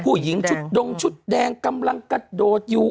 ผู้หญิงชุดดงชุดแดงกำลังกระโดดอยู่